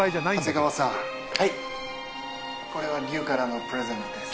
・これは劉からのプレゼントです。